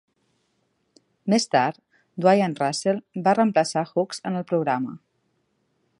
Més tard, Dwayne Russell va reemplaçar Hookes en el programa.